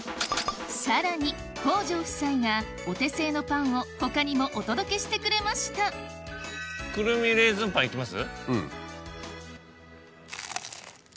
さらに北條夫妻がお手製のパンを他にもお届けしてくれましたいきます？